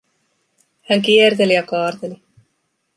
Hän kierteli ja kaarteli.